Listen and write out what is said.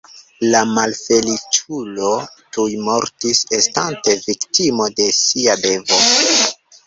La malfeliĉulo tuj mortis, estante viktimo de sia devo.